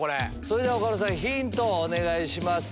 それでは岡村さんヒントをお願いします。